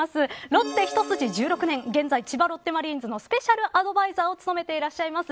ロッテ一筋１６年現在、千葉ロッテマリーンズのスペシャルアドバイザーを務めております